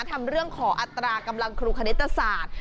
ทำเรื่องขออัตรากำลังครูคณิตศาสตร์